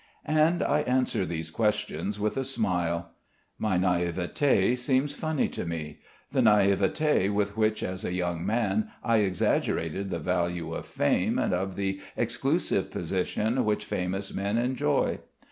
And I answer these questions with a smile. My naïveté seems funny to me the naïveté with which as a young man I exaggerated the value of fame and of the exclusive position which famous men enjoy.